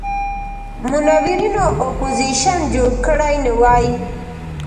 منورینو اپوزیشن جوړ کړی نه وي.